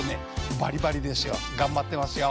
バリバリですよ。頑張ってますよ。